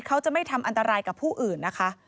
เขาจะไม่ทำอันตรายกับผู้อื่นนะคะ